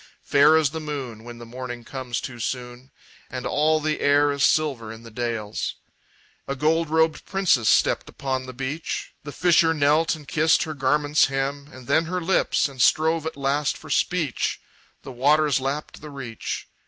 Fair as the moon When the morning comes too soon, And all the air is silver in the dales, A gold robed princess stepped upon the beach. The fisher knelt and kissed her garment's hem, And then her lips, and strove at last for speech. The waters lapped the reach.